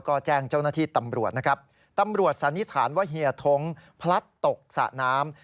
ก็แจ้งเจ้าหน้าที่ตำรวจนะครับตำรวจสันนิษฐานว่าเฮียท้งพลัดตกสระน้ำ